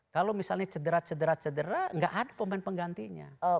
kalau misalnya cederat cederat cederat gak ada pemain penggantinya